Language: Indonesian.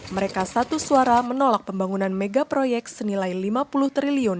mereka satu suara menolak pembangunan megaproyek senilai lima puluh triliun